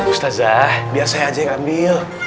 ustazah biar saya aja yang ambil